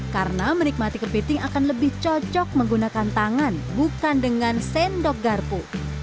karena menikmati kepiting akan lebih cocok menggunakan tangan bukan dengan sendok garpu